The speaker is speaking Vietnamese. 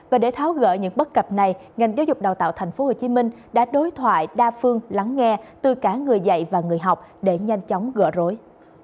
và để tháo gỡ những bất cập này ngành giáo dục đào tạo tp hcm đã đối thoại đa phương lắng nghe từ cả người dạy và người học để nhanh chóng gỡ rối